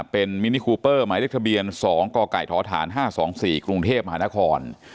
เป็นมินิคูเปอร์หมายเลขทะเบียน๒กกทฐาน๕๒๔กรุงเทพมหานคร